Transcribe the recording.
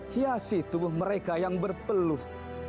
hiasi tubuh mereka yang berpeluh